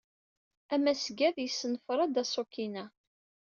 Amasgad yessenfer-d aṣuk-inna.